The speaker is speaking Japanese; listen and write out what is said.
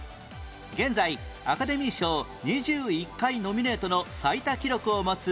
現在アカデミー賞２１回ノミネートの最多記録を持つ